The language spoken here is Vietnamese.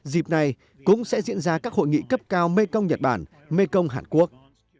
dịp này cũng sẽ diễn ra các hội nghị cấp cao mekong nhật bản mekong hàn quốc